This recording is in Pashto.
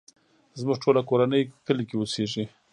زموږ ټوله کورنۍ کلی کې اوسيږې.